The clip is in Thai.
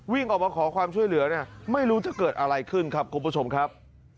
วิ่งออกมาขอความช่วยเหลือเนี่ยไม่รู้จะเกิดอะไรขึ้นครับคุณผู้ชมครับ